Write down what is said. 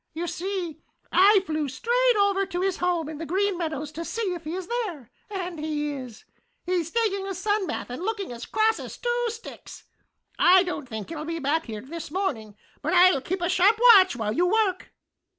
You see, I flew straight over to his home in the Green Meadows to see if he is there, and he is. He's taking a sun bath and looking as cross as two sticks. I don't think he'll be back here this morning, but I'll keep a sharp watch while you work."